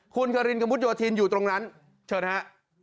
คุณหรืออยู่ตรงนั้นเชิญฮะ